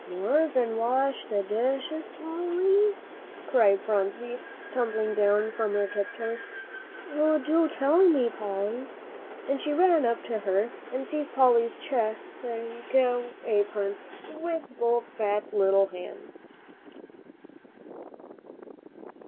"More than to wash the dishes, Polly?" cried Phronsie, tumbling down from her tiptoes. "Oh, do tell me, Polly!" And she ran up to her, and seized Polly's check apron with both fat little hands.